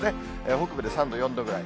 北部で３度、４度ぐらい。